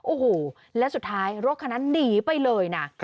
โอ้โหและสุดท้ายรถคันนั้นหนีไปเลยนะ